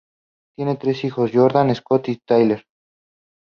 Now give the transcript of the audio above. Tienen Tres hijos Jordan, Scott y Tyler.